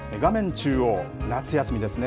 中央、夏休みですね。